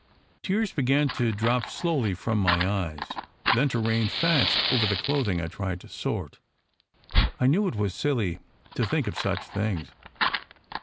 Tears began to drop slowly from my eyes, then to rain fast over the clothing I tried to sort. I knew it was silly to think of such things.